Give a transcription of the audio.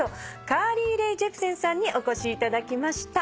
カーリー・レイ・ジェプセンさんにお越しいただきました。